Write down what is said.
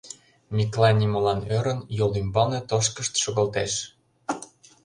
— Миклай нимолан ӧрын, йол ӱмбалне тошкышт шогылтеш.